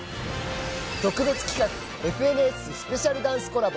特別企画ＦＮＮスペシャルダンスコラボ